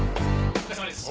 お疲れさまです。